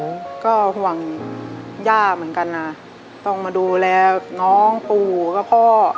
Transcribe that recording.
ผมก็ห่วงย่าเหมือนกันนะต้องมาดูแลน้องปู่กับพ่อ